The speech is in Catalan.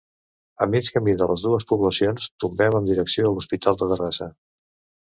A mig camí de les dues poblacions, tombem en direcció a l'Hospital de Terrassa.